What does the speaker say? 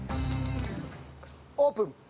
オープン。